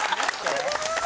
すごい！